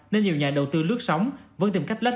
nên nhiều nhà đầu tư lướt sóng vẫn tìm cách lách